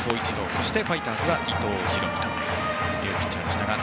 そしてファイターズは伊藤大海というピッチャーでした。